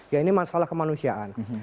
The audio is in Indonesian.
ya ini masalah kemanusiaan